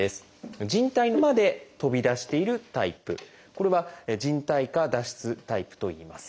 これは「靭帯下脱出」タイプといいます。